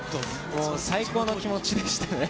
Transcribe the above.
最高の気持ちでしたね。